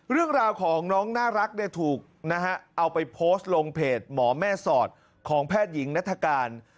เรื่องราวของน้องน่ารักเนี่ยถูกนะฮะเอาไปโพสต์ลงเพจหมอแม่สอดของแพทย์หญิงนัฐกาล